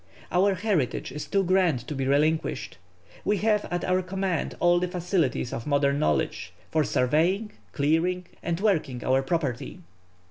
Our heritage is too grand to be relinquished. We have at our command all the facilities of modern science for surveying, clearing, and working our property.